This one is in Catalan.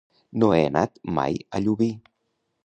No he anat mai a Llubí.